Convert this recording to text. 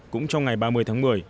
cũng trong ngày ba mươi tháng một mươi